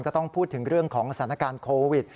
ก็ต้องพูดถึงเรื่องของสถานการณ์โควิด